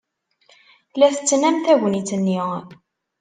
La tettnam tagnit-nni.